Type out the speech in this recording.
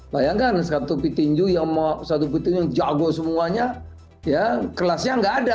bayangkan satu pitinju yang jago semuanya kelasnya tidak ada